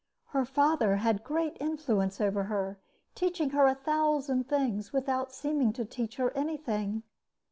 Her father had great influence over her, teaching her a thousand things without seeming to teach her anything.